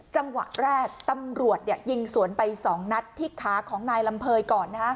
จังหวะแรกตำรวจยิงสวนไป๒นัดที่ขาของนายลำเภยก่อน